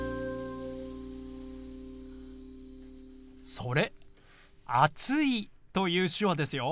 それ「暑い」という手話ですよ。